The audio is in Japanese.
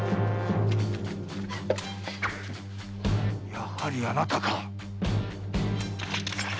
やはりあなたか！